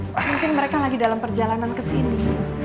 mungkin mereka lagi dalam perjalanan kesini